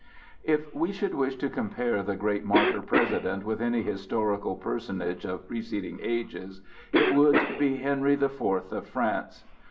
If we should wish to compare the great martyr president with any historical personage of preceding ages, it would be Henry the Fourth of France.